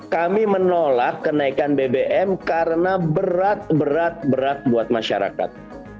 kami menolak kenaikan bbm karena berat berat buat masyarakat